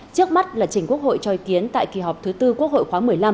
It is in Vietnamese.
trước mắt là chỉnh quốc hội cho ý kiến tại kỳ họp thứ tư quốc hội khóa một mươi năm